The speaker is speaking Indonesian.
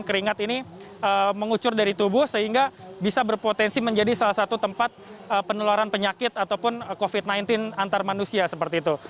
keringat ini mengucur dari tubuh sehingga bisa berpotensi menjadi salah satu tempat penularan penyakit ataupun covid sembilan belas antar manusia seperti itu